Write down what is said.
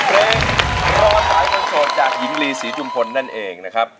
เพลงร้องร้องละกันโชนจากหญิงรีซี่จุ่มพลนั่นเอง